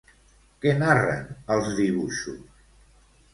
Què narren els dibuixos?